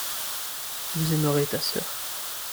vous aimerez ta sœur.